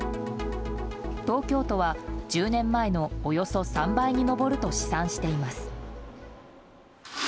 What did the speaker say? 東京都は、１０年前のおよそ３倍に上ると試算しています。